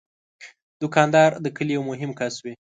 دوکاندار د کلي یو مهم کس وي.